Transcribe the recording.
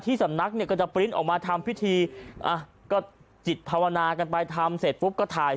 สำนักเนี่ยก็จะปริ้นต์ออกมาทำพิธีอ่ะก็จิตภาวนากันไปทำเสร็จปุ๊บก็ถ่าย